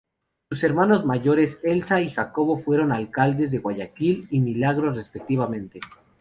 Sus hermanos mayores Elsa y Jacobo fueron alcaldes de Guayaquil y Milagro respectivamente.